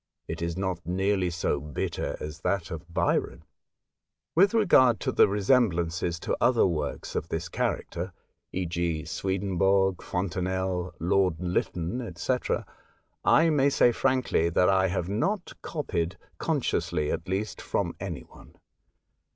It is not nearly so bitter as that of Byron. With regard to the resemblances to other works of this character, e.cj.y Swedenborg, Fontenelle, Lord Lytton, &c., I may say frankly that I have not copied, consciously at least, from any one.